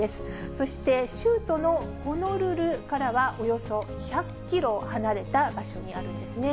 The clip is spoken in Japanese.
そして州都のホノルルからはおよそ１００キロ離れた場所にあるんですね。